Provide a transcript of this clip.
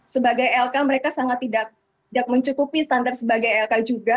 sebagai lk mereka sangat tidak mencukupi standar sebagai lk juga